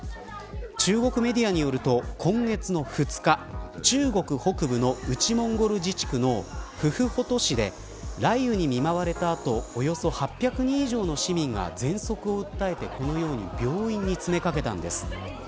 中国メディアによると今月の２日中国北部の内モンゴル自治区のフフホト市で雷雨に見舞われた後およそ８００人以上の市民がぜんそくを訴えてこのように病院に詰めかけたんです。